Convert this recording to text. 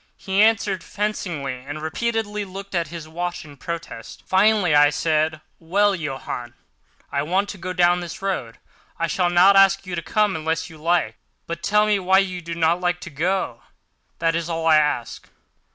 He answered fencingly, and repeatedly looked at his watch in protest. Finally I said: "Well, Johann, I want to go down this road. I shall not ask you to come unless you like; but tell me why you do not like to go, that is all I ask."